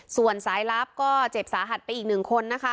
ส่วนสายลับก็เจ็บสาหัสไปอีกหนึ่งคนนะคะ